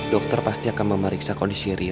dokter pasti akan memeriksa kondisi rio